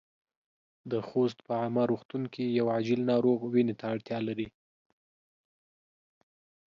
د خوست په عامه روغتون کې يو عاجل ناروغ وينې ته اړتیا لري.